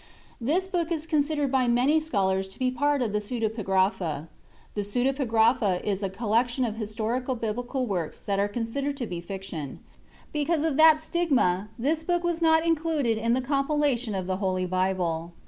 This book is considered by many scholars to be part of the "Pseudepigrapha" (soo duh pig ruh fuh). The "Pseudepigrapha" is a collection of historical biblical works that are considered to be fiction. Because of that stigma, this book was not included in the compilation of the Holy Bible.